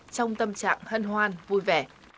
trong tâm trạng hân hoan vui vẻ